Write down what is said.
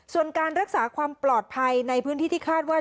ส่วนการรักษาความปลอดภัยในพื้นที่ที่คาดว่า